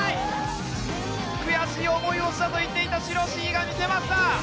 悔しい思いをしたと言っていたＳｈｉｒｏｓｈｉがみせました。